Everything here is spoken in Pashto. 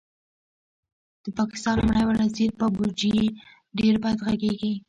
د پاکستان لومړی وزیر بابوجي ډېر بد غږېږي